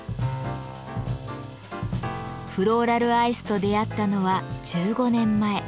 フローラルアイスと出会ったのは１５年前。